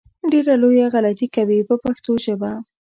ډېره لویه غلطي کوي په پښتو ژبه.